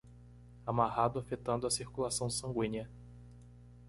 Amarrado afetando a circulação sanguínea